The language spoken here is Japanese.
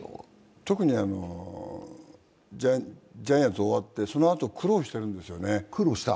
特にジャイアンツ終わって、そのあと苦労してるんですよね。